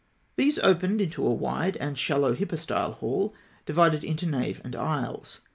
These opened into a wide and shallow hypostyle hall (H), divided into nave and aisles.